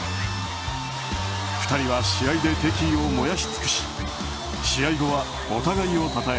２人は試合で敵意を燃やし尽くし試合後はお互いをたたえ